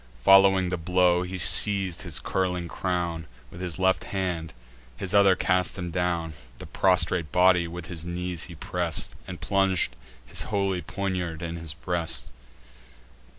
Following the blow, he seiz'd his curling crown With his left hand; his other cast him down. The prostrate body with his knees he press'd, And plung'd his holy poniard in his breast.